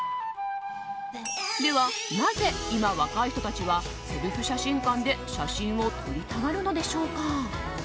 ではなぜ今、若い人たちはセルフ写真館で写真を撮りたがるのでしょうか。